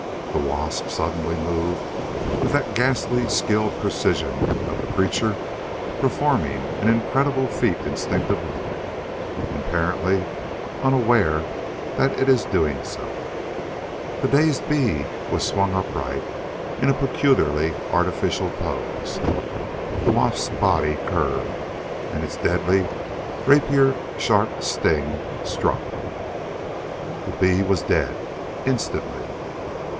The wasp suddenly moved with that ghastly skilled precision of a creature performing an incredible feat instinctively, apparently unaware that it is doing so. The dazed bee was swung upright in a peculiarly artificial pose. The wasp's body curved, and its deadly, rapier sharp sting struck.... The bee was dead. Instantly.